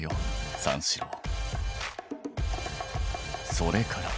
「それから」